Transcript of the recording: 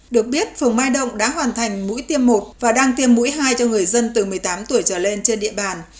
được biết phường mai động đã hoàn thành mũi tiêm một và đang tiêm mũi hai cho người dân từ một mươi tám tuổi trở lên trên địa bàn